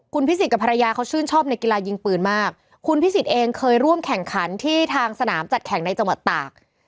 คุณพิสิทธิกับภรรยาเขาชื่นชอบในกีฬายิงปืนมากคุณพิสิทธิ์เองเคยร่วมแข่งขันที่ทางสนามจัดแข่งในจังหวัดตาก